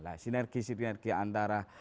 nah sinergi sinergi antara